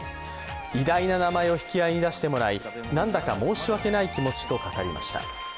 偉大な名前を引き合いに出してもらい何だか申し訳ない気持ちと語りました。